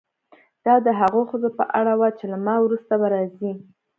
دا د هغو ښځو په اړه وه چې له ما وروسته به راځي.